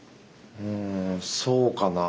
うんそうかな。